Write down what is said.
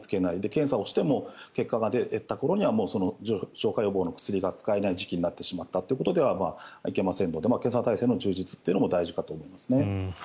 検査をしても結果が出た頃には重症化予防の薬が使えない時期になってしまったということではいけませんので検査体制の充実も大事だと思いますね。